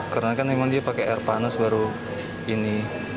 karena kan memang dia pakai air panas baru ini